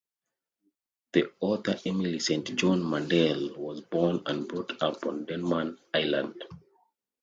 The author Emily Saint John Mandel was born and brought up on Denman Island.